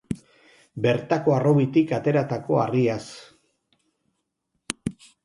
Bertako harrobitik ateratako harriaz.